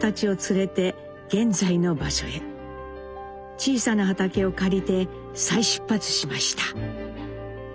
小さな畑を借りて再出発しました。